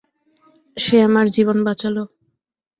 সে আমার জীবন বাঁচালো।